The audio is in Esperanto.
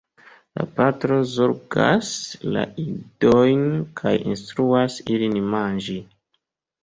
La patro zorgas la idojn kaj instruas ilin manĝi.